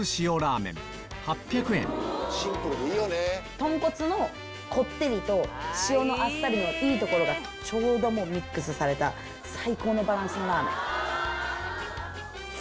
豚骨のこってりと塩のあっさりのいいところがちょうどミックスされた最高のバランスのラーメン。